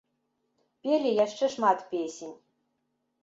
Пелі яшчэ шмат песень.